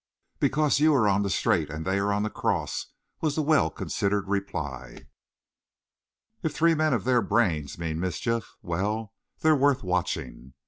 "Because you are on the straight and they are on the cross," was the well considered reply. "If three men of their brains mean mischief, well, they're worth watching.